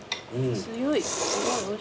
強い。